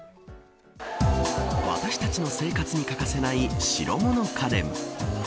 私たちの生活に欠かせない白物家電。